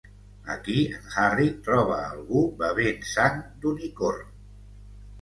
Aquí en Harry troba a algú bevent sang d'unicorn.